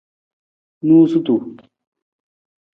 Noosutu.